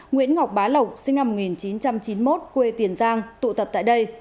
nguyễn ngọc bá lộng sinh năm một nghìn chín trăm chín mươi một quê tiền giang tụ tập tại đây